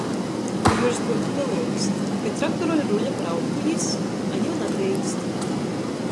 Ka Jurs byutu leluoks, pi traktora ruļa brauktu jis, a niu nadreikst.